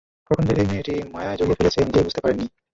কখন যে এই মেয়েটি মায়ায় জড়িয়ে ফেলেছে, নিজেই বুঝতে পারেন নি।